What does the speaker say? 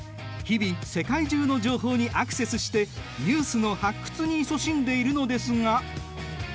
日々世界中の情報にアクセスしてニュースの発掘にいそしんでいるのですが。